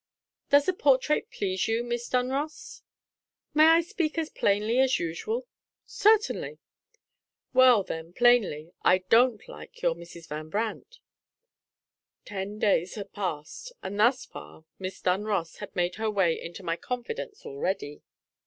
"Does the portrait please you, Miss Dunross?" "May I speak as plainly as usual?" "Certainly!" "Well, then, plainly, I don't like your Mrs. Van Brandt." Ten days had passed; and thus far Miss Dunross had made her way into my confidence already!